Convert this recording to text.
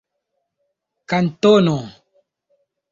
kantono